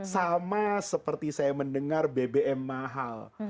sama seperti saya mendengar bbm mahal